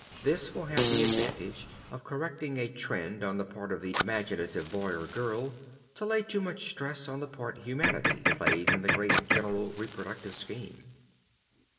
This will have the advantage of correcting a trend on the part of the imaginative boy or girl to lay too much stress on the part humanity plays in this great general reproductive scheme.